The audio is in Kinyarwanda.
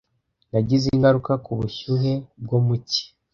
Nagize ingaruka ku bushyuhe bwo mu cyi.